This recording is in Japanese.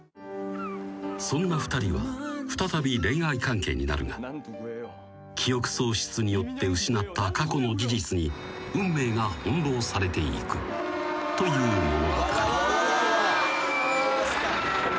［そんな２人は再び恋愛関係になるが記憶喪失によって失った過去の事実に運命が翻弄されていくという物語］